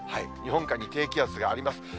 日本海に低気圧があります。